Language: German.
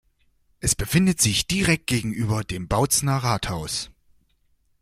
Es befindet sich direkt gegenüber dem Bautzener Rathaus.